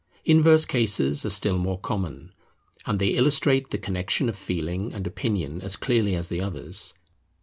Inverse cases are still more common; and they illustrate the connexion of feeling and opinion as clearly as the others.